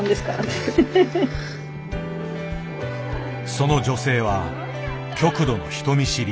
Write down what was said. その女性は極度の人見知り。